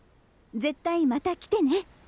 絶対また来てね。